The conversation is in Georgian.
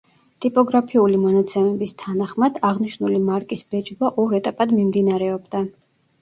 ტიპოგრაფიული მონაცემების თანახმად, აღნიშნული მარკის ბეჭდვა ორ ეტაპად მიმდინარეობდა.